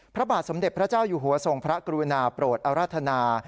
พระบาทสมเด็จพระเจ้าอยู่หัวทรงพระกรุณาโปรดอรรถนา